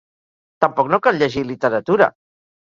Tampoc no cal llegir literatura.